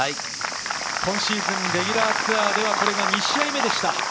今シーズン、レギュラーツアーではこれが２勝目でした。